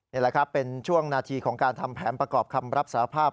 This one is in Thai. นี่แหละครับเป็นช่วงนาทีของการทำแผนประกอบคำรับสารภาพ